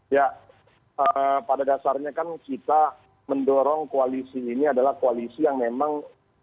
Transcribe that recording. ya pada dasarnya kan kita mendorong koalisi ini adalah koalisi yang memang